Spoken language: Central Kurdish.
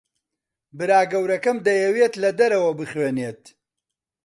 برا گەورەکەم دەیەوێت لە دەرەوە بخوێنێت.